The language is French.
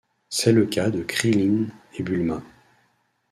C'est le cas de Krilin et Bulma.